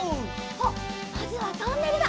あっまずはトンネルだ。